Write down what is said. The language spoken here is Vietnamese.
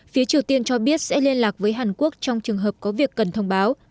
phía triều tiên cho biết sẽ liên lạc với hàn quốc trong trường hợp có việc cần thông báo